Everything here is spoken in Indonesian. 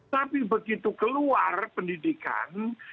tapi begitu keluar pendidikan